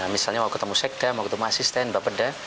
misalnya mau ketemu sekda mau ketemu asisten bapak penda